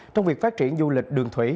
trong việc phát triển du lịch đường thủy